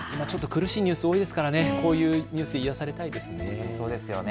ちょっと苦しいニュースが多いですからこういうニュースで癒やされたいですね。